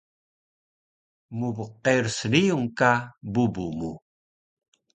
Mbqerus riyung ka bubu mu